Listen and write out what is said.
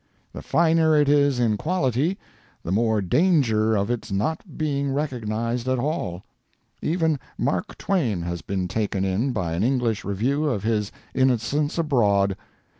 The finer it is in quality, the more danger of its not being recognized at all. Even Mark Twain has been taken in by an English review of his "Innocents Abroad."